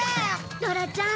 ドラちゃん